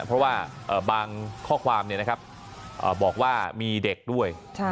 เพราะว่าอ่าบางข้อความเนี่ยนะครับอ่าบอกว่ามีเด็กด้วยใช่